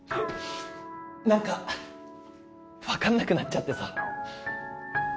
なんかわかんなくなっちゃってさ。